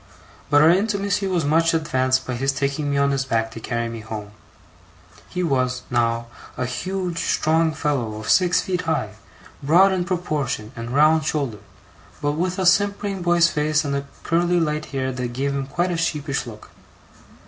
But our intimacy was much advanced by his taking me on his back to carry me home. He was, now, a huge, strong fellow of six feet high, broad in proportion, and round shouldered; but with a simpering boy's face and curly light hair that gave him quite a sheepish look.